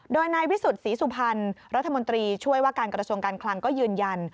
โดยนายวิสุทธิ์ศรีสุพรรณรัฐมนตรีช่วยว่าการกระทรวงการคลังก็ยืนยัน